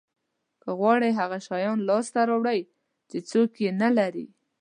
که غواړی هغه شیان لاسته راوړی چې هیڅوک یې نه لري